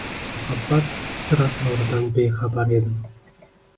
muhabbat sir-asroridan bexabar edim.